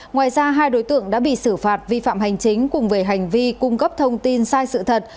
ngoài ra hai đối tượng đã bị xử phạt vi phạm hành chính cùng về hành vi cung cấp thông tin sai sự thật